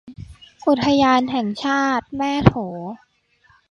อุทยานแห่งชาติแม่โถ